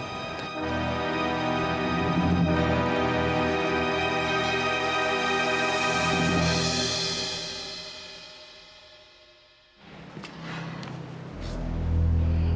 ya sama sama bu